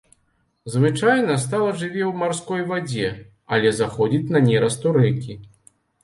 Звычайна стала жыве ў марской вадзе, але заходзіць на нераст у рэкі.